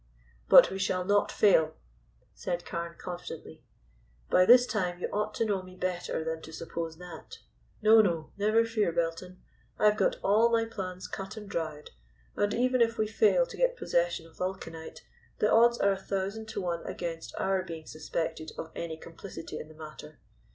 "But we shall not fail," said Carne, confidently. "By this time you ought to know me better than to suppose that. No, no, never fear, Belton; I've got all my plans cut and dried, and even if we fail to get possession of Vulcanite, the odds are a thousand to one against our being suspected of any complicity in the matter.